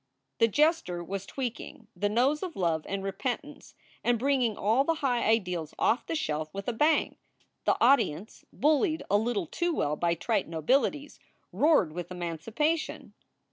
The jester was tweaking the nose of love and repentance and bringing all the high ideals off the shelf with a bang. The audience, bullied a little too well by trite nobilities, roared with emancipation.